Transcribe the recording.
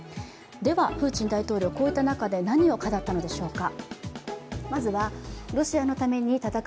プーチン大統領、こういった中で何を語ったのでしょうか。